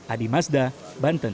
adi mazda banten